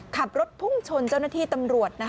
ขับรถพุ่งชนเจ้าหน้าที่ตำรวจ